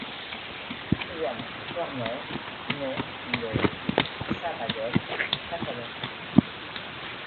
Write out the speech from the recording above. Kilian Jornet naît le à Sabadell en Catalogne.